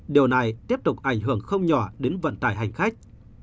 điều này tiếp tục ảnh hưởng không nhỏ đến vận tải hành khách